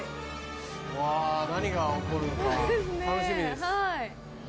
うわ何が起こるのか楽しみです。